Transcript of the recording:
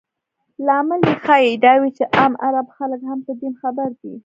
لامل یې ښایي دا وي چې عام عرب خلک هم په دین خبر دي.